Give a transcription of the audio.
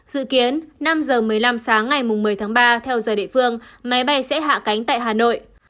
dự kiến năm giờ một mươi năm sáng ngày một mươi tháng ba theo giờ địa phương máy bay sẽ hạ cánh tại hà nội